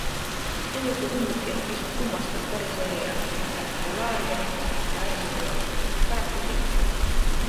Seetõttu tundubki ehk pisut kummastav Karise eriala - molekulaargeneetik ja arengubioloog -, mis paraku silma jääb.